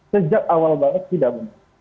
sejak awal banget tidak benar